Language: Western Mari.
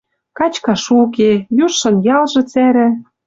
Качкаш уке, южшын ялжы цӓрӓ